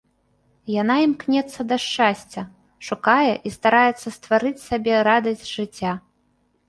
Яна імкнецца да шчасця, шукае і стараецца стварыць сабе радасць жыцця.